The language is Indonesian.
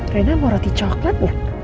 rena mau roti coklat ya